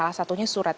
salah satunya surabaya